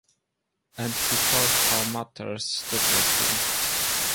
And he told how matters stood with him.